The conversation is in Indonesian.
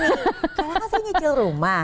saya kan nyicil rumah